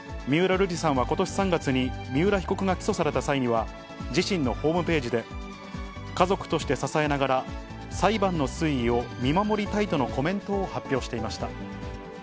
瑠麗さんはことし３月に、三浦被告が起訴された際には、自身のホームページで、家族として支えながら、裁判の推移を見守りたいとのコメントを発表していました。